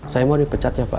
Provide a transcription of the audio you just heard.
saya mau dipecat ya pak